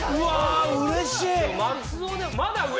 うれしい！